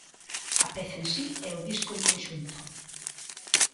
A peza en si e o disco en conxunto.